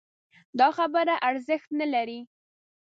دا خبره ارزښت نه لري